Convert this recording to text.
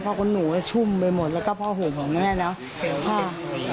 เพราะคนหนูก็ชุ่มไปหมดแล้วก็พ่อห่วงของแม่เนอะค่ะ